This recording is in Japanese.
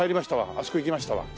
あそこ行きましたわ。